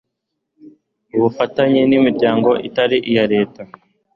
Ubufatanye n imiryango itari iya leta